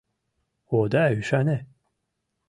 Ода ӱшане?